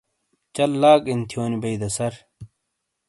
چَل لاگ ان تھونی بیی دا سر؟